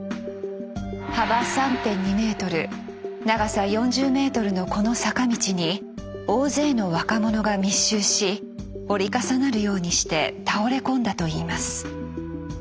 幅３．２ｍ長さ４０ｍのこの坂道に大勢の若者が密集し折り重なるようにして倒れ込んだといいます。